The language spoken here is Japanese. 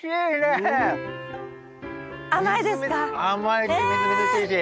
甘いですか？